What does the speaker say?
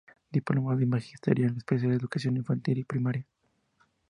Diplomado en Magisterio, especialidad Educación Infantil y Primaria.